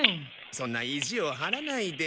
そんな意地を張らないで。